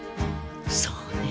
そうね。